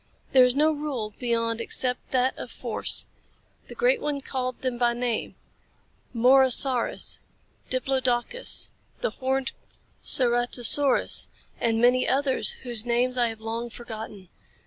"There is no rule beyond except that of force. The Great One called them by name, Morosaurus, Diplodocus, the Horned Ceratosaurus, and many others whose names I have long forgotten.